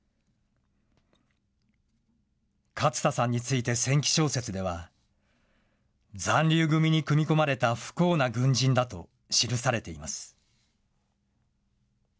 勝田さんについて戦記小説では、残留組に組み込まれた不幸な軍人だと記されています。